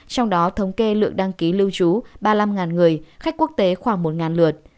trong đó thống kê lượng đăng ký lưu trú ba mươi năm người khách quốc tế khoảng một lượt